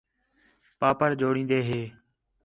پاپڑ جوڑین٘دے ہے